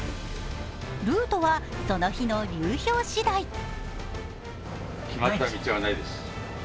ルートはその日の流氷しだい。